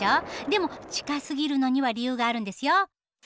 でも近すぎるのには理由があるんですよ。